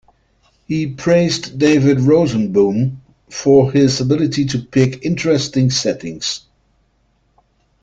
He praised David Rosenboom for his ability to pick interesting settings.